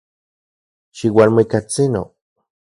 Xiualmuikatsino.